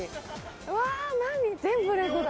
うわ何全部レゴだ。